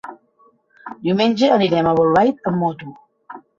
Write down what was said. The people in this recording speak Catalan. Diumenge anirem a Bolbait amb moto.